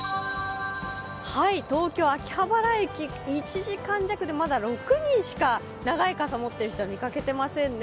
東京・秋葉原駅、１時間弱でまだ６人しか、長い傘を持っている人を見かけていませんね。